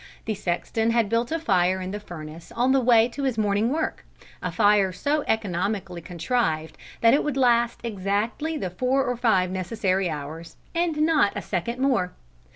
The sexton had built a fire in the furnace on the way to his morning work a fire so economically contrived that it would last exactly the four or five necessary hours, and not a second more.